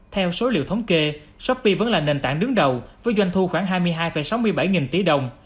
theo số liệu thống kê shopee vẫn là nền tảng đứng đầu với doanh thu khoảng hai mươi hai sáu mươi bảy nghìn tỷ đồng